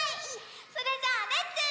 それじゃあレッツ。